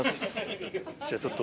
じゃあちょっと。